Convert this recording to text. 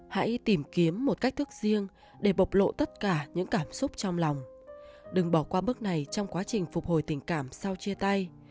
hãy tìm kiếm một cách thức riêng để bộc lộ tất cả những cảm xúc trong lòng đừng bỏ qua bước này trong quá trình phục hồi tình cảm sau chia tay